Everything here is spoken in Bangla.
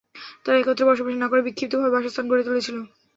তারা একত্রে বসবাস না করে বিক্ষিপ্তভাবে বাসস্থান গড়ে তুলেছিল।